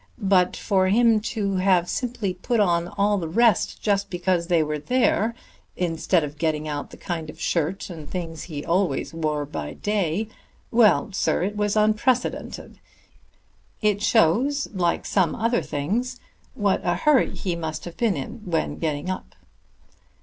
But for him to have simply put on all the rest just because they were there, instead of getting out the kind of shirt and things he always wore by day well, sir, it was unprecedented. It shows, like some other things, what a hurry he must have been in when getting up."